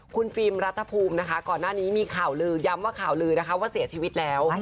คุณฟิล์มรัฐภูมินะคะก่อนหน้านี้มีข่าวลือย้ำว่าข่าวลือนะคะว่าเสียชีวิตแล้ว